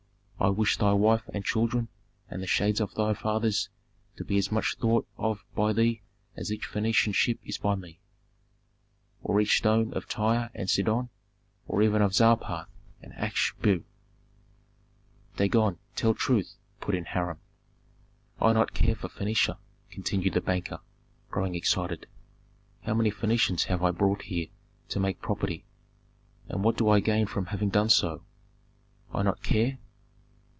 "I wish thy wife and children and the shades of thy fathers to be as much thought of by thee as each Phœnician ship is by me, or each stone of Tyre and Sidon, or even of Zarpath and Achsibu." "Dagon, tell truth," put in Hiram. "I not care for Phœnicia!" continued the banker, growing excited. "How many Phœnicians have I brought here to make property, and what do I gain from having done so! I not care?